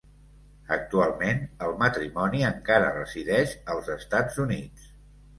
Actualment, el matrimoni encara resideix als Estats Units.